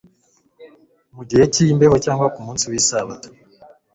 mu gihe cy'imbeho cyangwa ku munsi w'isabato.»